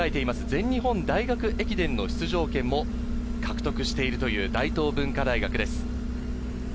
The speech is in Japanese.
全日本大学駅伝の出場権も獲得しているという大東文化大学です。